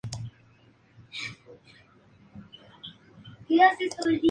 Ese mismo año encarnó el papel de Chase Collins en "The Covenant".